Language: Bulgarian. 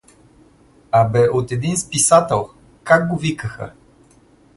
— А бе от един списател — как го викаха?